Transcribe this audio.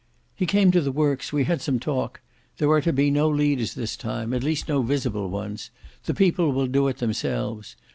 "He came to the works; we had some talk. There are to be no leaders this time, at least no visible ones. The people will do it themselves.